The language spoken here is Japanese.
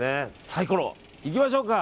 サイコロ行きましょうか。